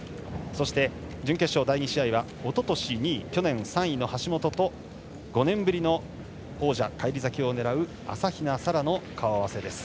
そして、準決勝第２試合はおととし２位、去年３位の橋本と５年ぶりの王者返り咲きを狙う朝比奈沙羅の顔合わせです。